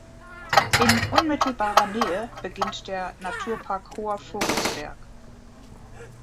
In unmittelbarer Nähe beginnt der „Naturpark Hoher Vogelsberg“.